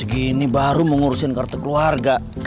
jam segini baru mengurusin kartu keluarga